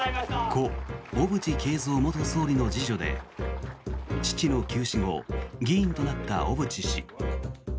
故・小渕恵三元総理の次女で父の急死後議員となった小渕氏。